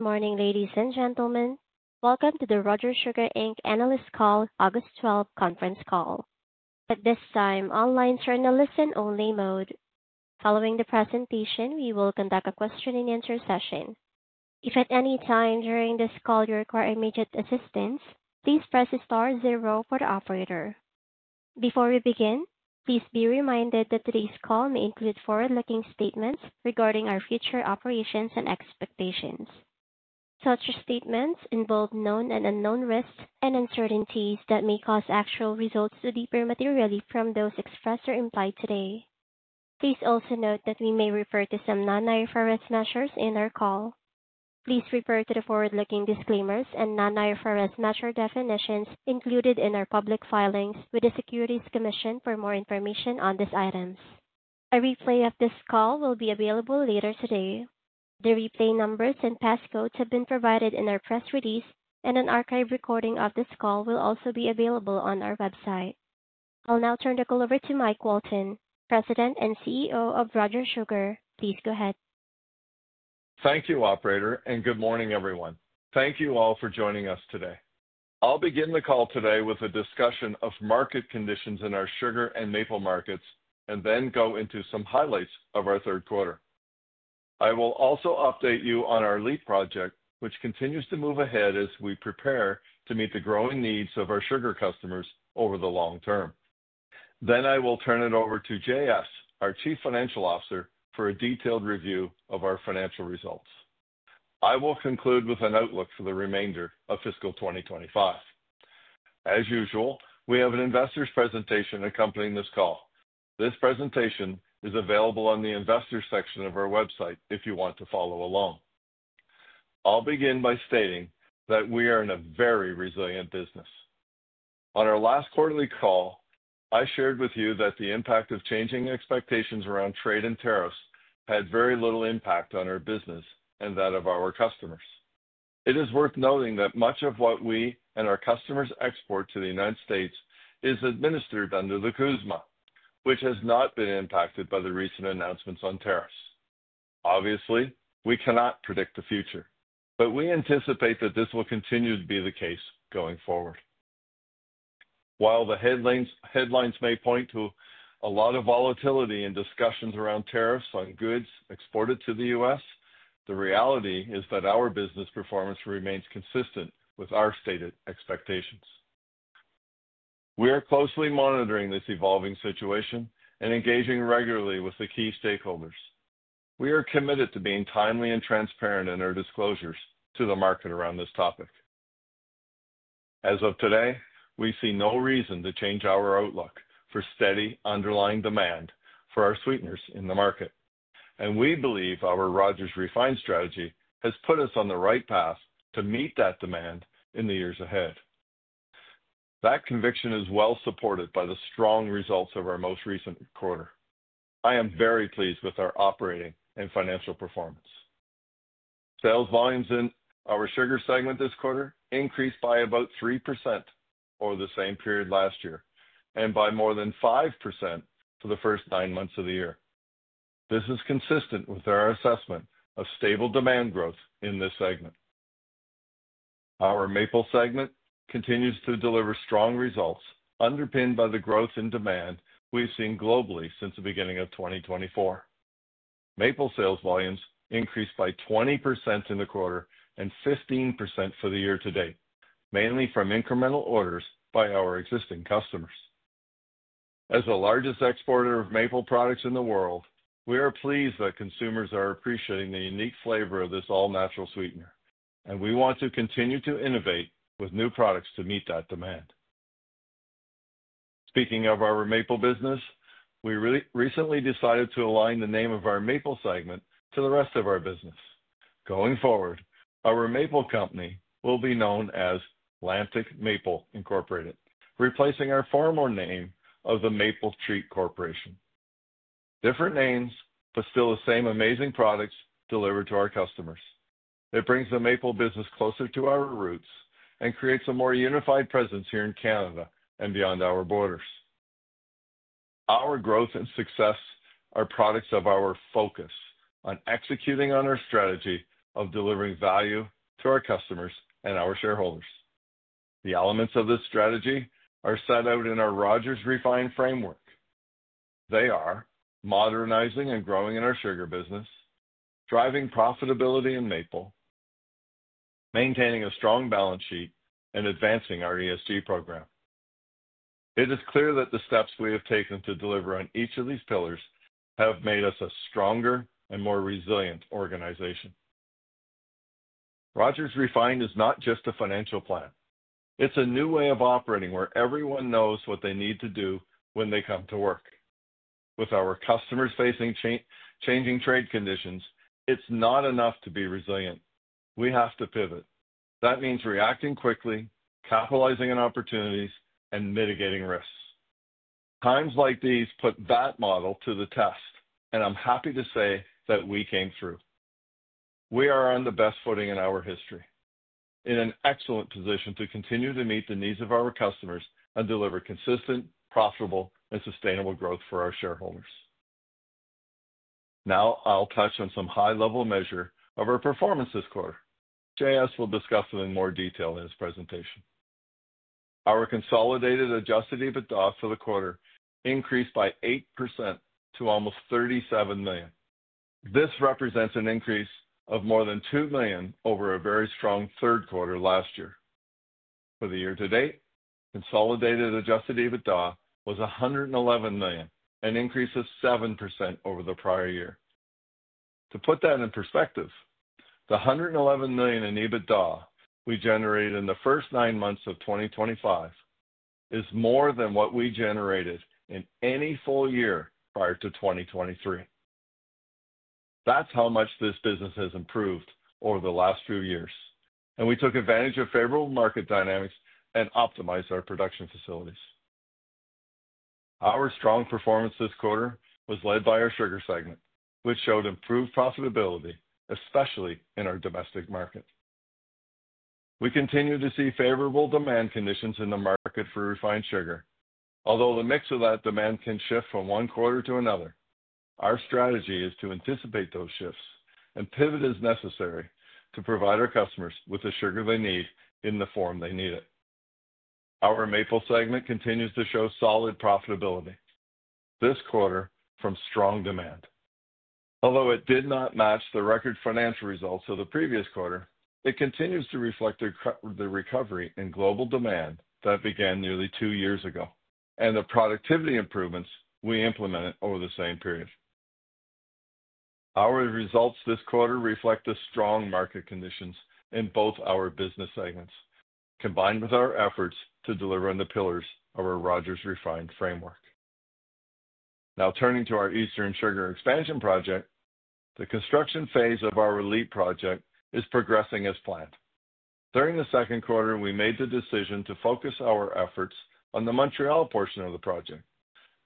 Morning, ladies and gentlemen. Welcome to the Rogers Sugar Inc. Analyst Call, August 12th Conference Call. At this time, online is in a listen-only mode. Following the presentation, we will conduct a question-and-answer session. If at any time during this call you require immediate assistance, please press star zero for the operator. Before we begin, please be reminded that today's call may include forward-looking statements regarding our future operations and expectations. Such statements involve known and unknown risks and uncertainties that may cause actual results to differ materially from those expressed or implied today. Please also note that we may refer to some non-IFRS measures in our call. Please refer to the forward-looking disclaimers and non-IFRS measure definitions included in our public filings with the Securities Commission for more information on these items. A replay of this call will be available later today. The replay numbers and passcodes have been provided in our press release, and an archived recording of this call will also be available on our website. I'll now turn the call over to Mike Walton, President and CEO of Rogers Sugar. Please go ahead. Thank you, Operator, and good morning, everyone. Thank you all for joining us today. I'll begin the call today with a discussion of market conditions in our sugar and maple markets, and then go into some highlights of our third quarter. I will also update you on our LEAP project, which continues to move ahead as we prepare to meet the growing needs of our sugar customers over the long term. I will turn it over to JS, our Chief Financial Officer, for a detailed review of our financial results. I will conclude with an outlook for the remainder of fiscal 2025. As usual, we have an investor's presentation accompanying this call. This presentation is available on the investors' section of our website if you want to follow along. I'll begin by stating that we are in a very resilient business. On our last quarterly call, I shared with you that the impact of changing expectations around trade and tariffs had very little impact on our business and that of our customers. It is worth noting that much of what we and our customers export to the United States is administered under the CUSMA, which has not been impacted by the recent announcements on tariffs. Obviously, we cannot predict the future, but we anticipate that this will continue to be the case going forward. While the headlines may point to a lot of volatility in discussions around tariffs on goods exported to the U.S., the reality is that our business performance remains consistent with our stated expectations. We are closely monitoring this evolving situation and engaging regularly with the key stakeholders. We are committed to being timely and transparent in our disclosures to the market around this topic. As of today, we see no reason to change our outlook for steady underlying demand for our sweeteners in the market, and we believe our Rogers Refined strategy has put us on the right path to meet that demand in the years ahead. That conviction is well supported by the strong results of our most recent quarter. I am very pleased with our operating and financial performance. Sales volumes in our sugar segment this quarter increased by about 3% over the same period last year and by more than 5% for the first nine months of the year. This is consistent with our assessment of stable demand growth in this segment. Our maple segment continues to deliver strong results underpinned by the growth in demand we've seen globally since the beginning of 2024. Maple sales volumes increased by 20% in the quarter and 15% for the year to date, mainly from incremental orders by our existing customers. As the largest exporter of maple products in the world, we are pleased that consumers are appreciating the unique flavor of this all-natural sweetener, and we want to continue to innovate with new products to meet that demand. Speaking of our maple business, we recently decided to align the name of our maple segment to the rest of our business. Going forward, our maple company will be known as Lantic Maple Incorporated, replacing our former name of The Maple Treat Corporation. Different names, but still the same amazing products delivered to our customers. It brings the maple business closer to our roots and creates a more unified presence here in Canada and beyond our borders. Our growth and success are products of our focus on executing on our strategy of delivering value to our customers and our shareholders. The elements of this strategy are set out in our Rogers Refined framework. They are modernizing and growing in our sugar business, driving profitability in maple, maintaining a strong balance sheet, and advancing our ESG program. It is clear that the steps we have taken to deliver on each of these pillars have made us a stronger and more resilient organization. Rogers Refined is not just a financial plan. It's a new way of operating where everyone knows what they need to do when they come to work. With our customers facing changing trade conditions, it's not enough to be resilient. We have to pivot. That means reacting quickly, capitalizing on opportunities, and mitigating risks. Times like these put that model to the test, and I'm happy to say that we came through. We are on the best footing in our history, in an excellent position to continue to meet the needs of our customers and deliver consistent, profitable, and sustainable growth for our shareholders. Now I'll touch on some high-level measures of our performance this quarter. JS will discuss them in more detail in his presentation. Our consolidated adjusted EBITDA for the quarter increased by 8% to almost $37 million. This represents an increase of more than $2 million over a very strong third quarter last year. For the year to date, consolidated adjusted EBITDA was $111 million, an increase of 7% over the prior year. To put that in perspective, the $111 million in EBITDA we generated in the first nine months of 2025 is more than what we generated in any full year prior to 2023. That's how much this business has improved over the last few years, and we took advantage of favorable market dynamics and optimized our production facilities. Our strong performance this quarter was led by our sugar segment, which showed improved profitability, especially in our domestic market. We continue to see favorable demand conditions in the market for refined sugar. Although the mix of that demand can shift from one quarter to another, our strategy is to anticipate those shifts and pivot as necessary to provide our customers with the sugar they need in the form they need it. Our maple segment continues to show solid profitability this quarter from strong demand. Although it did not match the record financial results of the previous quarter, it continues to reflect the recovery in global demand that began nearly two years ago and the productivity improvements we implemented over the same period. Our results this quarter reflect the strong market conditions in both our business segments, combined with our efforts to deliver on the pillars of our Rogers Refined framework. Now turning to our Eastern Sugar Expansion Project, the construction phase of our LEAP project is progressing as planned. During the second quarter, we made the decision to focus our efforts on the Montreal portion of the project.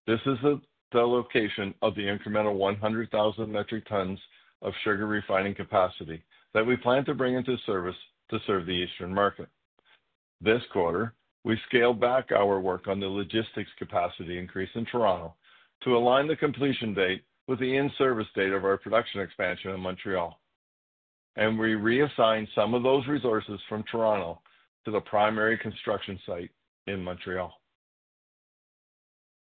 This is the location of the incremental 100,000 metric tons of sugar refining capacity that we plan to bring into service to serve the Eastern market. This quarter, we scaled back our work on the logistics capacity increase in Toronto to align the completion date with the in-service date of our production expansion in Montreal, and we reassigned some of those resources from Toronto to the primary construction site in Montreal.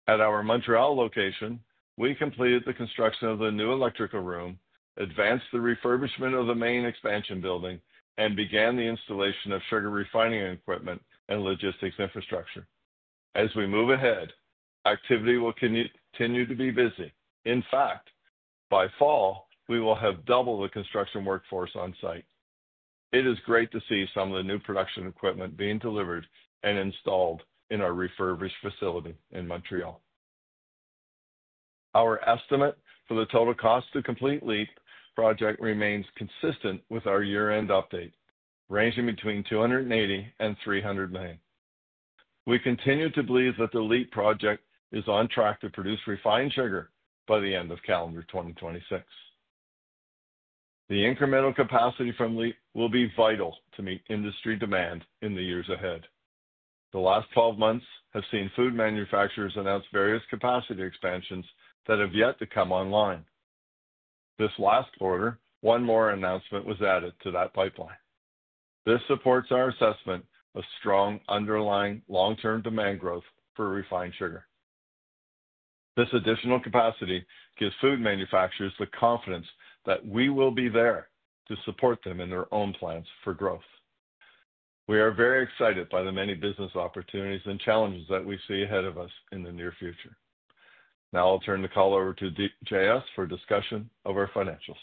At our Montreal location, we completed the construction of the new electrical room, advanced the refurbishment of the main expansion building, and began the installation of sugar refining equipment and logistics infrastructure. As we move ahead, activity will continue to be busy. In fact, by fall, we will have double the construction workforce on site. It is great to see some of the new production equipment being delivered and installed in our refurbished facility in Montreal. Our estimate for the total cost to complete the LEAP project remains consistent with our year-end update, ranging between $280 million-$300 million. We continue to believe that the LEAP project is on track to produce refined sugar by the end of calendar 2026. The incremental capacity from LEAP will be vital to meet industry demand in the years ahead. The last 12 months have seen food manufacturers announce various capacity expansions that have yet to come online. This last quarter, one more announcement was added to that pipeline. This supports our assessment of strong underlying long-term demand growth for refined sugar. This additional capacity gives food manufacturers the confidence that we will be there to support them in their own plans for growth. We are very excited by the many business opportunities and challenges that we see ahead of us in the near future. Now I'll turn the call over to JS for a discussion of our financials.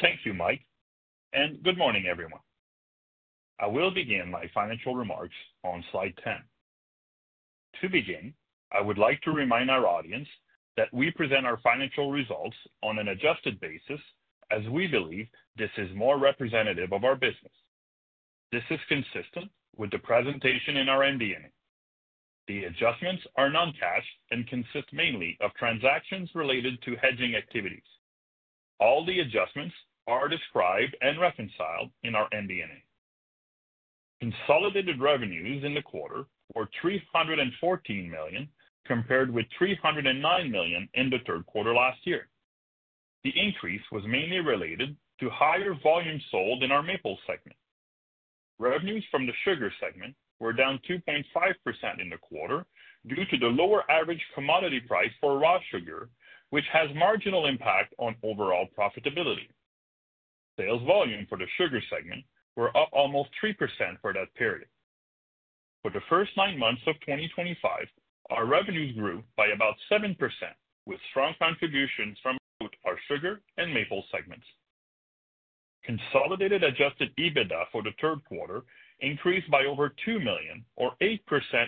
Thank you, Mike, and good morning, everyone. I will begin my financial remarks on slide 10. To begin, I would like to remind our audience that we present our financial results on an adjusted basis as we believe this is more representative of our business. This is consistent with the presentation in our NDNA. The adjustments are non-cash and consist mainly of transactions related to hedging activities. All the adjustments are described and reconciled in our NDNA. Consolidated revenues in the quarter were $314 million compared with $309 million in the third quarter last year. The increase was mainly related to higher volume sold in our maple segment. Revenues from the sugar segment were down 2.5% in the quarter due to the lower average commodity price for raw sugar, which has a marginal impact on overall profitability. Sales volume for the sugar segment was up almost 3% for that period. For the first nine months of 2025, our revenues grew by about 7% with strong contributions from both our sugar and maple segments. Consolidated adjusted EBITDA for the third quarter increased by over $2 million, or 8%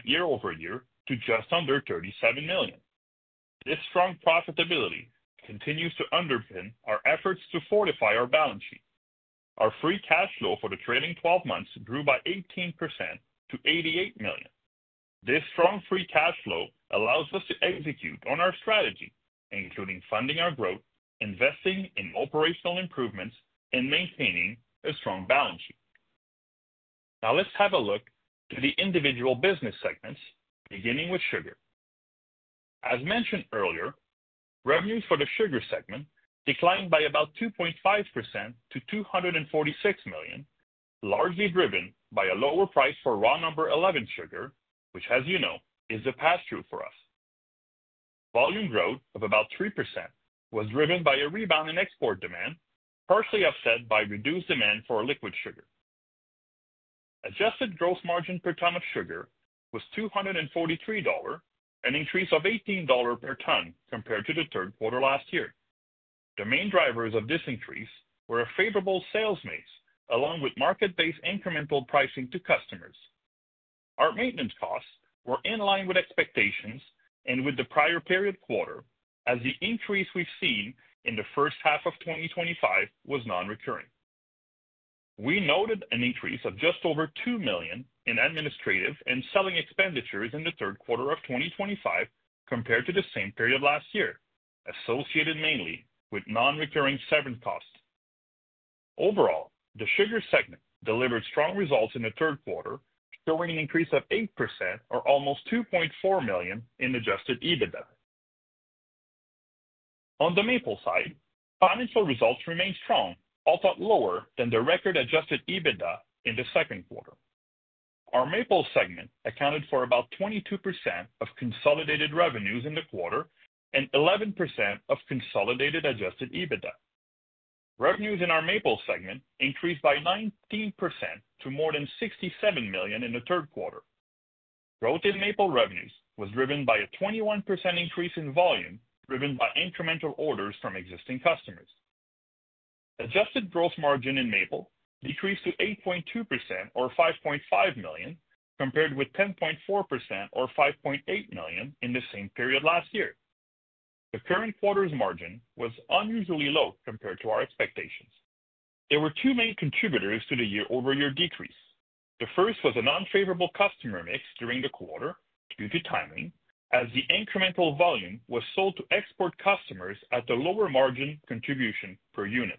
year-over-year, to just under $37 million. This strong profitability continues to underpin our efforts to fortify our balance sheet. Our free cash flow for the trailing 12 months grew by 18% to $88 million. This strong free cash flow allows us to execute on our strategy, including funding our growth, investing in operational improvements, and maintaining a strong balance sheet. Now let's have a look at the individual business segments, beginning with sugar. As mentioned earlier, revenues for the sugar segment declined by about 2.5% to $246 million, largely driven by a lower price for raw No. 11 sugar, which, as you know, is a pass-through for us. Volume growth of about 3% was driven by a rebound in export demand, partially offset by reduced demand for liquid sugar. Adjusted gross margin per ton of sugar was $243, an increase of $18 per ton compared to the third quarter last year. The main drivers of this increase were a favorable sales mix, along with market-based incremental pricing to customers. Our maintenance costs were in line with expectations and with the prior period quarter, as the increase we've seen in the first half of 2025 was non-recurring. We noted an increase of just over $2 million in administrative and selling expenditures in the third quarter of 2025 compared to the same period last year, associated mainly with non-recurring service costs. Overall, the sugar segment delivered strong results in the third quarter, showing an increase of 8% or almost $2.4 million in adjusted EBITDA. On the maple side, financial results remain strong, although lower than the record adjusted EBITDA in the second quarter. Our maple segment accounted for about 22% of consolidated revenues in the quarter and 11% of consolidated adjusted EBITDA. Revenues in our maple segment increased by 19% to more than $67 million in the third quarter. Growth in maple revenues was driven by a 21% increase in volume, driven by incremental orders from existing customers. Adjusted gross margin in maple decreased to 8.2% or $5.5 million, compared with 10.4% or $5.8 million in the same period last year. The current quarter's margin was unusually low compared to our expectations. There were two main contributors to the year-over-year decrease. The first was an unfavorable customer mix during the quarter due to timing, as the incremental volume was sold to export customers at the lower margin contribution per unit.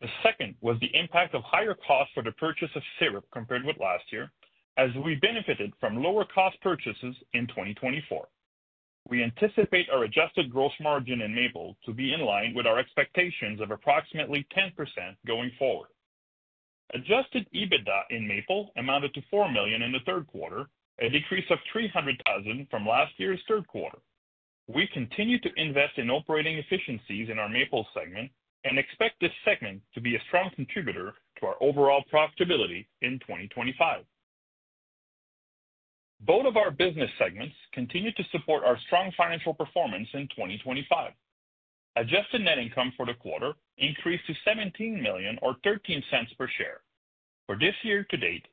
The second was the impact of higher costs for the purchase of syrup compared with last year, as we benefited from lower cost purchases in 2024. We anticipate our adjusted gross margin in maple to be in line with our expectations of approximately 10% going forward. Adjusted EBITDA in maple amounted to $4 million in the third quarter, a decrease of $300,000 from last year's third quarter. We continue to invest in operating efficiencies in our maple segment and expect this segment to be a strong contributor to our overall profitability in 2025. Both of our business segments continue to support our strong financial performance in 2025. Adjusted net income for the quarter increased to $17 million or $0.13 per share. For this year to date,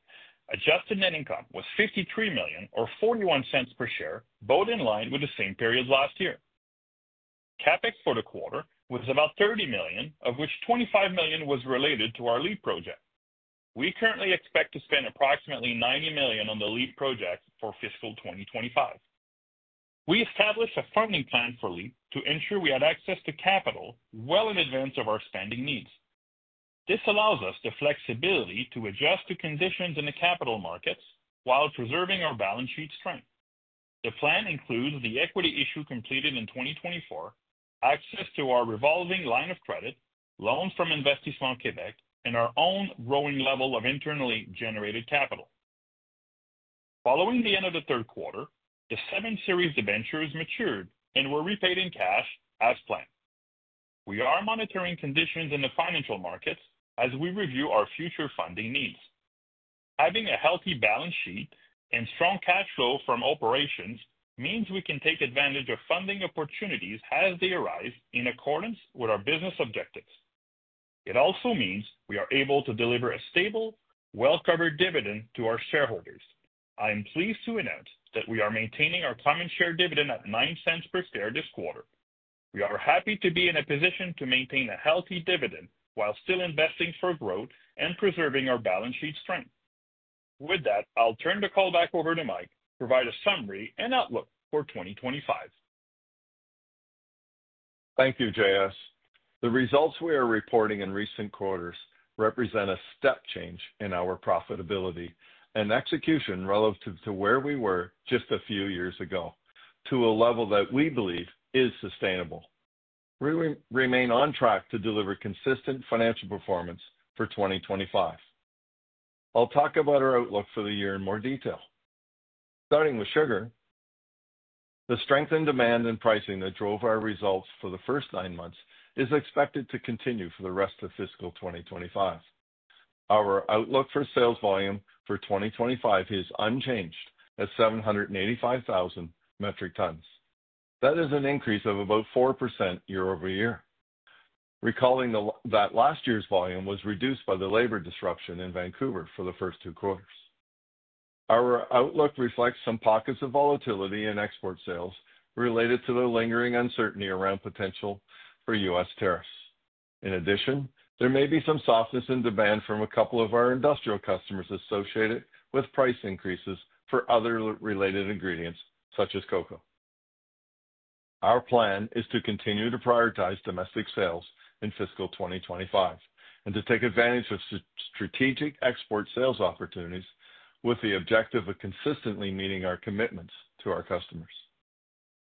adjusted net income was $53 million or $0.41 per share, both in line with the same period last year. CapEx for the quarter was about $30 million, of which $25 million was related to our LEAP project. We currently expect to spend approximately $90 million on the LEAP project for fiscal 2025. We established a funding plan for LEAP to ensure we had access to capital well in advance of our spending needs. This allows us the flexibility to adjust to conditions in the capital markets while preserving our balance sheet strength. The plan includes the equity issue completed in 2024, access to our revolving line of credit, loans from Investissement Québec, and our own growing level of internally generated capital. Following the end of the third quarter, the seven series debentures matured and were repaid in cash as planned. We are monitoring conditions in the financial markets as we review our future funding needs. Having a healthy balance sheet and strong cash flow from operations means we can take advantage of funding opportunities as they arise in accordance with our business objectives. It also means we are able to deliver a stable, well-covered dividend to our shareholders. I am pleased to announce that we are maintaining our common share dividend at $0.09 per share this quarter. We are happy to be in a position to maintain a healthy dividend while still investing for growth and preserving our balance sheet strength. With that, I'll turn the call back over to Mike to provide a summary and outlook for 2025. Thank you, JS. The results we are reporting in recent quarters represent a step change in our profitability and execution relative to where we were just a few years ago, to a level that we believe is sustainable. We remain on track to deliver consistent financial performance for 2025. I'll talk about our outlook for the year in more detail. Starting with sugar, the strength in demand and pricing that drove our results for the first nine months is expected to continue for the rest of fiscal 2025. Our outlook for sales volume for 2025 is unchanged at 785,000 metric tons. That is an increase of about 4% year-over-year, recalling that last year's volume was reduced by the labor disruption in Vancouver for the first two quarters. Our outlook reflects some pockets of volatility in export sales related to the lingering uncertainty around potential for U.S. tariffs. In addition, there may be some softness in demand from a couple of our industrial customers associated with price increases for other related ingredients, such as cocoa. Our plan is to continue to prioritize domestic sales in fiscal 2025 and to take advantage of strategic export sales opportunities with the objective of consistently meeting our commitments to our customers.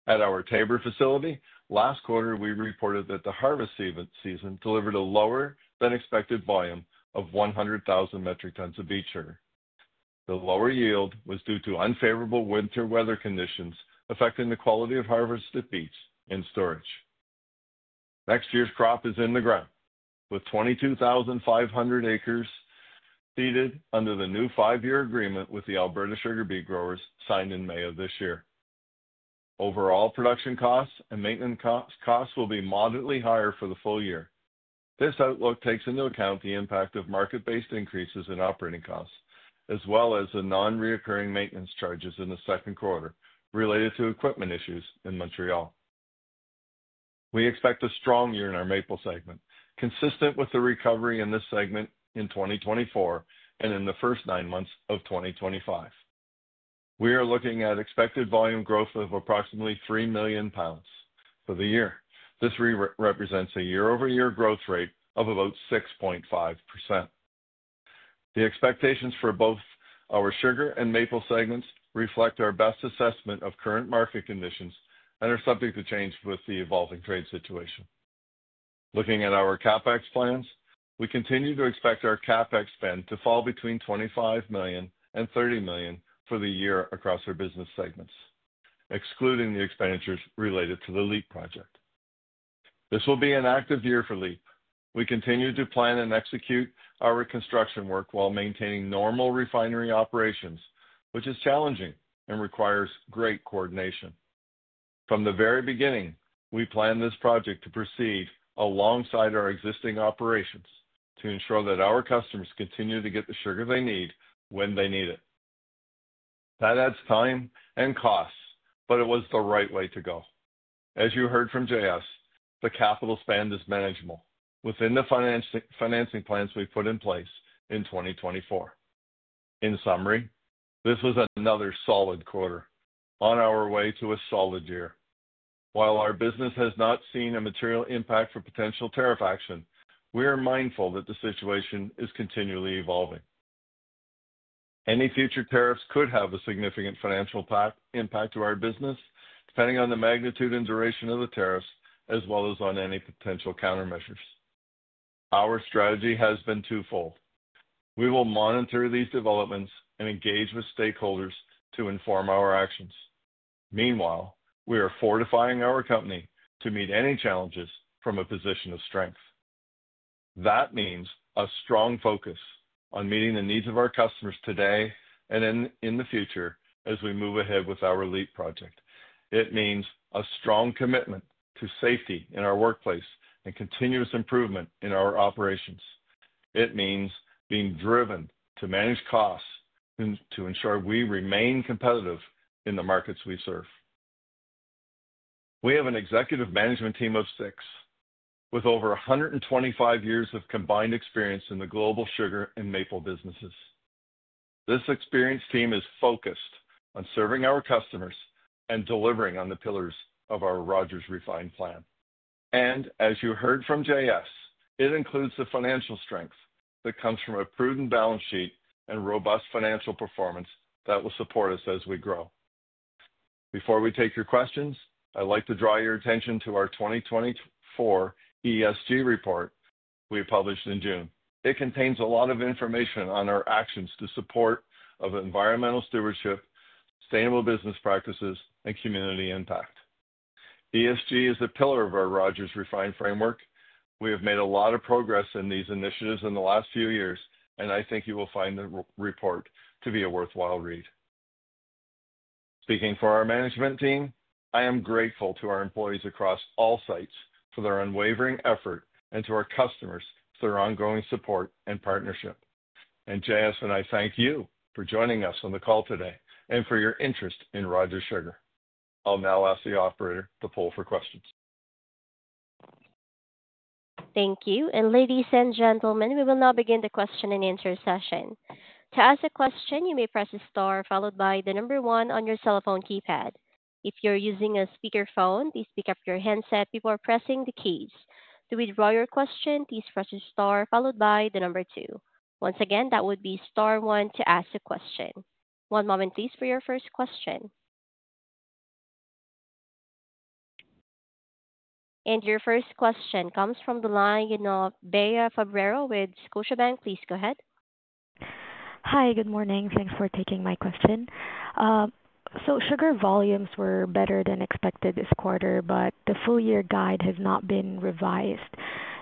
At our Taber facility, last quarter, we reported that the harvest season delivered a lower-than-expected volume of 100,000 metric tons of beet sugar. The lower yield was due to unfavorable winter weather conditions affecting the quality of harvested beets in storage. Next year's crop is in the ground, with 22,500 acres seeded under the new five-year agreement with the Alberta Sugar Beet Growers signed in May of this year. Overall production costs and maintenance costs will be moderately higher for the full year. This outlook takes into account the impact of market-based increases in operating costs, as well as the non-reoccurring maintenance charges in the second quarter related to equipment issues in Montreal. We expect a strong year in our maple segment, consistent with the recovery in this segment in 2024 and in the first nine months of 2025. We are looking at expected volume growth of approximately 3 million pounds for the year. This represents a year-over-year growth rate of about 6.5%. The expectations for both our sugar and maple segments reflect our best assessment of current market conditions and are subject to change with the evolving trade situation. Looking at our CapEx plans, we continue to expect our CapEx spend to fall between $25 million and $30 million for the year across our business segments, excluding the expenditures related to the LEAP project. This will be an active year for LEAP. We continue to plan and execute our reconstruction work while maintaining normal refinery operations, which is challenging and requires great coordination. From the very beginning, we planned this project to proceed alongside our existing operations to ensure that our customers continue to get the sugar they need when they need it. That adds time and costs, but it was the right way to go. As you heard from JS, the capital spend is manageable within the financing plans we put in place in 2024. In summary, this was another solid quarter on our way to a solid year. While our business has not seen a material impact from potential U.S. tariff action, we are mindful that the situation is continually evolving. Any future tariffs could have a significant financial impact to our business, depending on the magnitude and duration of the tariffs, as well as on any potential countermeasures. Our strategy has been twofold. We will monitor these developments and engage with stakeholders to inform our actions. Meanwhile, we are fortifying our company to meet any challenges from a position of strength. That means a strong focus on meeting the needs of our customers today and in the future as we move ahead with our LEAP project. It means a strong commitment to safety in our workplace and continuous improvement in our operations. It means being driven to manage costs to ensure we remain competitive in the markets we serve. We have an executive management team of six with over 125 years of combined experience in the global sugar and maple businesses. This experienced team is focused on serving our customers and delivering on the pillars of our Rogers Refined plan. As you heard from JS, it includes the financial strength that comes from a prudent balance sheet and robust financial performance that will support us as we grow. Before we take your questions, I'd like to draw your attention to our 2024 ESG report we published in June. It contains a lot of information on our actions to support environmental stewardship, sustainable business practices, and community impact. ESG is a pillar of our Rogers Refined framework. We have made a lot of progress in these initiatives in the last few years, and I think you will find the report to be a worthwhile read. Speaking for our management team, I am grateful to our employees across all sites for their unwavering effort and to our customers for their ongoing support and partnership. JS and I thank you for joining us on the call today and for your interest in Rogers Sugar. I'll now ask the operator to pull for questions. Thank you. Ladies and gentlemen, we will now begin the question and answer session. To ask a question, you may press star followed by the number one on your cell phone keypad. If you're using a speaker phone, please pick up your headset before pressing the keys. To withdraw your question, please press star followed by the number two. Once again, that would be star one to ask a question. One moment, please, for your first question. Your first question comes from the line of Bea Febrero with Scotiabank. Please go ahead. Hi, good morning. Thanks for taking my question. Sugar volumes were better than expected this quarter, but the full-year guide has not been revised.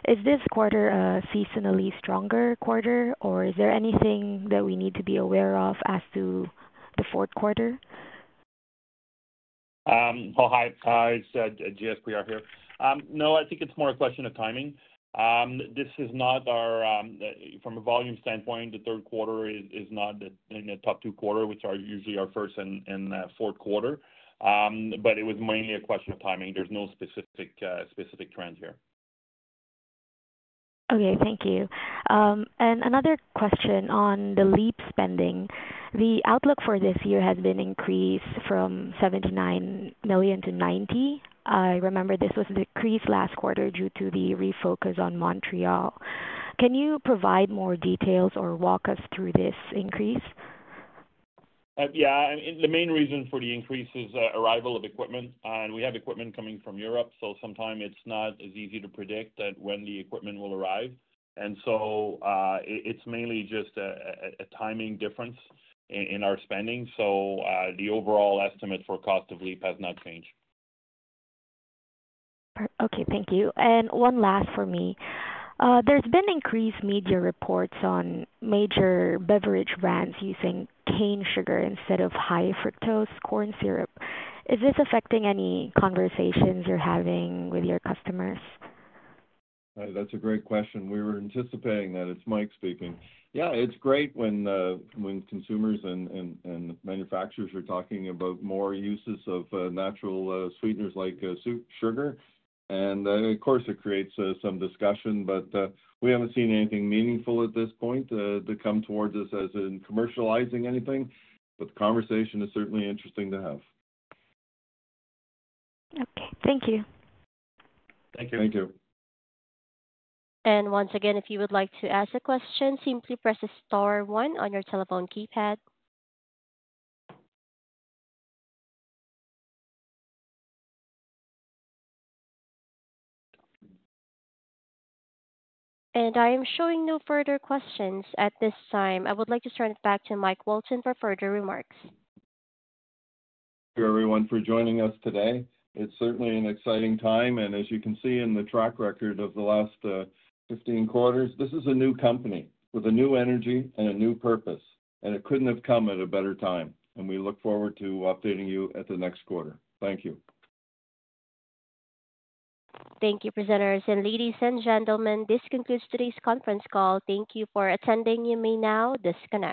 Is this quarter a seasonally stronger quarter, or is there anything that we need to be aware of as to the fourth quarter? Hi. It's Jean-Sébastien Couillard here. I think it's more a question of timing. This is not our, from a volume standpoint, the third quarter is not in the top two quarters, which are usually our first and fourth quarter. It was mainly a question of timing. There's no specific trend here. Thank you. Another question on the LEAP spending. The outlook for this year has been an increase from $79 million to $90 million. I remember this was a decrease last quarter due to the refocus on Montreal. Can you provide more details or walk us through this increase? Yeah, I mean, the main reason for the increase is the arrival of equipment, and we have equipment coming from Europe, so sometimes it's not as easy to predict when the equipment will arrive. It's mainly just a timing difference in our spending. The overall estimate for cost of LEAP has not changed. Okay, thank you. One last for me. There's been increased media reports on major beverage brands using cane sugar instead of high-fructose corn syrup. Is this affecting any conversations you're having with your customers? That's a great question. We were anticipating that. It's Mike speaking. It's great when consumers and manufacturers are talking about more uses of natural sweeteners like sugar. It creates some discussion, but we haven't seen anything meaningful at this point to come towards us as in commercializing anything. The conversation is certainly interesting to have. Okay, thank you. Thank you. If you would like to ask a question, simply press star one on your telephone keypad. I am showing no further questions at this time. I would like to turn it back to Mike Walton for further remarks. Thank you, everyone, for joining us today. It's certainly an exciting time, and as you can see in the track record of the last 15 quarters, this is a new company with a new energy and a new purpose, and it couldn't have come at a better time. We look forward to updating you at the next quarter. Thank you. Thank you, presenters. Ladies and gentlemen, this concludes today's conference call. Thank you for attending. You may now disconnect.